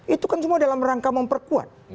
itu kan semua dalam rangka memperkuat